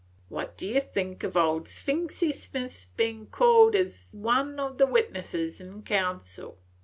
What do ye think of old Sphyxy Smith 's bein' called in as one o' the witnesses in council?